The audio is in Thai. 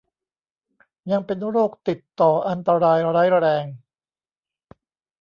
ยังเป็นโรคติดต่ออันตรายร้ายแรง